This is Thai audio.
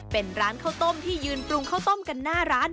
เป็นร้านข้าวต้มที่ยืนปรุงข้าวต้มกันหน้าร้าน